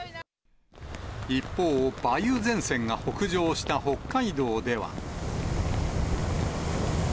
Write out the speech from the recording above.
一方、梅雨前線が北上した北海道では。